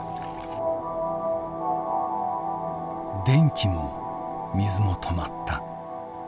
電気も水も止まった。